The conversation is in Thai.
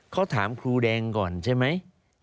เขาถามครูแดงก่อนใช่ไหม